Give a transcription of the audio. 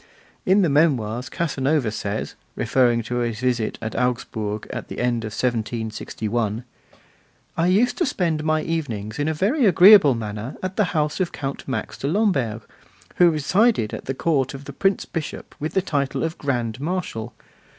In the Memoirs Casanova says, referring to his visit to Augsburg at the end of 1761: I used to spend my evenings in a very agreeable manner at the house of Count Max de Lamberg, who resided at the court of the Prince Bishop with the title of Grand Marshal.